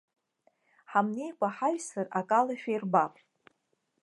Ҳамнеикәа ҳаҩсыр акалашәа ирбап!